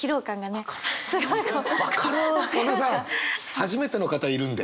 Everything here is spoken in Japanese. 初めての方いるんで。